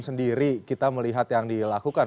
sendiri kita melihat yang dilakukan